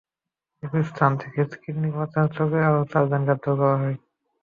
একই স্থান থেকে কিডনি পাচার চক্রের আরও চারজনকে গ্রেপ্তার করা হয়।